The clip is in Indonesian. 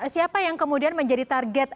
siapa yang kemudian menjadi target